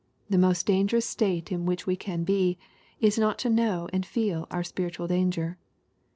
The most dangerous state in which we can be, is not to know and feel our spiritual danger.